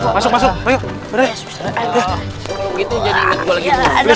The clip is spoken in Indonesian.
kalau gitu jangan lihat gue lagi